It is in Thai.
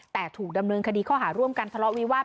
แต่ถูกดำเนินคดีข้อหาร่วมกันทะเลาะวิวาส